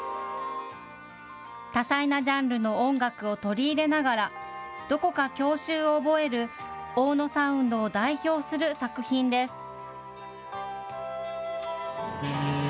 多彩なジャンルの音楽を取り入れながら、どこか郷愁を覚える大野サウンドを代表する作品です。